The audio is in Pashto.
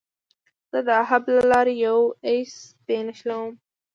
زه د هب له لارې یو ایس بي نښلوم.